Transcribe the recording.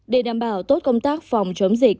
để đảm bảo tốt công tác phòng chống dịch